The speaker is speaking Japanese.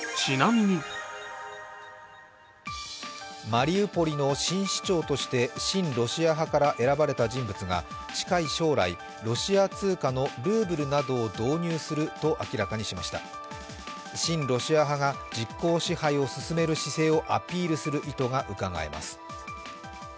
マリウポリの新市長として親ロシア派から選ばれた人物が近い将来、ロシア通過のルーブルなどを導入すると明らかにしました、親ロシア派が実効支配を進める姿勢をアピールする意図がうかがえます。